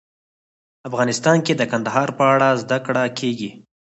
افغانستان کې د کندهار په اړه زده کړه کېږي.